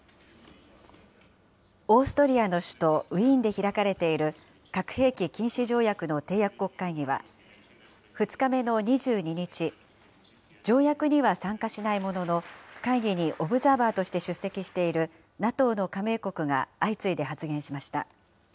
オーストリアの首都ウィーンで開かれている、核兵器禁止条約の締約国会議は、２日目の２２日、条約には参加しないものの、会議にオブザーバーとして出席しているＮＡＴＯの加盟国が相次いで発言しました。